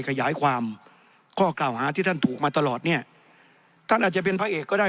ขยายความข้อกล่าวหาที่ท่านถูกมาตลอดเนี่ยท่านอาจจะเป็นพระเอกก็ได้